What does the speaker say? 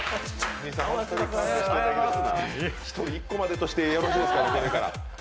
１人１個までとしてよろしいですか、これから。